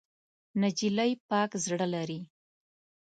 نجلۍ پاک زړه لري.